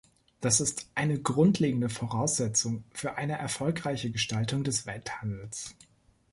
Das ist eine grundlegende Voraussetzung für eine erfolgreiche Gestaltung des Welthandels.